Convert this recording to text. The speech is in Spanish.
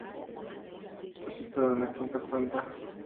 Está situado en la quinta planta.